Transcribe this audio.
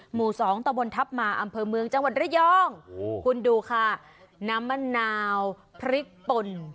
หมู่สองตะบนทัพมาอำเภอเมืองจังหวัดระยองโอ้โหคุณดูค่ะน้ำมะนาวพริกป่น